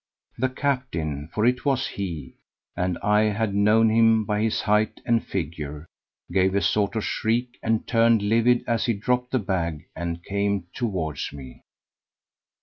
The captain for it was he, and I had known him by his height and figure gave a sort of shriek and turned livid as he dropped the bag and came towards me.